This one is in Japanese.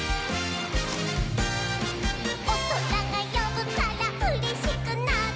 「おそらがよぶからうれしくなって」